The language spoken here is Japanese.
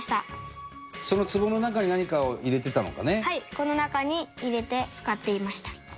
この中に入れて使っていました。